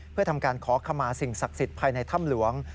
เพื่อทำการขอขมาสิ่งศักดิ์สิทธิ์ภายในถ้ำหลวง